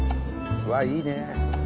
うわっいいね。